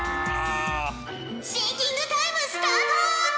シンキングタイムスタート！